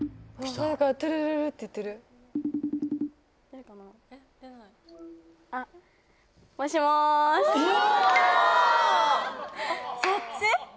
・そっち！？